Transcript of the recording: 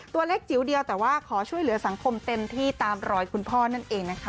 ตัวเล็กจิ๋วเดียวแต่ว่าขอช่วยเหลือสังคมเต็มที่ตามรอยคุณพ่อนั่นเองนะคะ